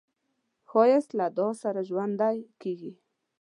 ښایست له دعا سره ژوندی کېږي